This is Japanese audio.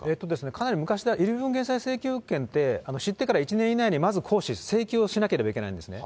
かなり昔の、遺留分請求権って、知ってから１年以内にまず行使、請求をしなければいけないんですね。